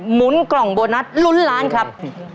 หมุนกล่องโบนัสลุ้นล้านครับ